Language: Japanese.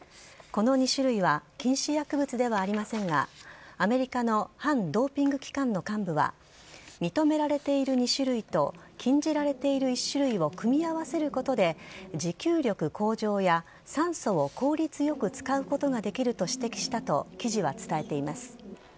この２種類は禁止薬物ではありませんが、アメリカの反ドーピング機関の幹部は、認められている２種類と、禁じられている１種類を組み合わせることで、持久力向上や、酸素を効率よく使うことができると指摘したと記事は伝えています。